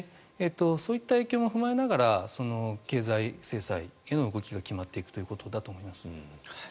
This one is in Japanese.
そういった影響も踏まえながら経済制裁への動きが決まっていくということだと思います。